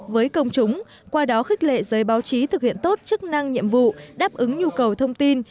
với công chúng qua đó khích lệ giới báo chí thực hiện tốt chức năng nhiệm vụ đáp ứng nhu cầu thông tin